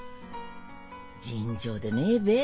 尋常でねえべ？